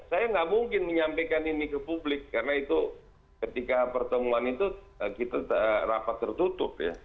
saya nggak mungkin menyampaikan ini ke publik karena itu ketika pertemuan itu kita rapat tertutup ya